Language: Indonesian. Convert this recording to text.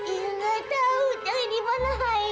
i gak tahu cari di mana i